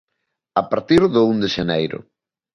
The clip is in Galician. A partir do un de xaneiro.